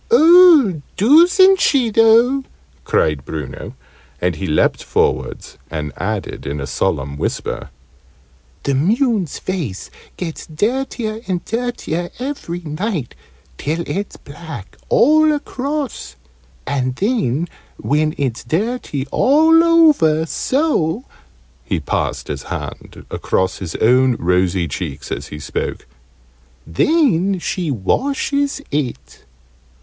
"Oh, doosn't she though!" cried Bruno; and he leant forwards and added in a solemn whisper, "The moon's face gets dirtier and dirtier every night, till it's black all across. And then, when it's dirty all over so " (he passed his hand across his own rosy cheeks as he spoke) "then she washes it."